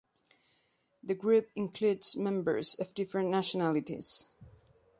The group includes members of different nationalities.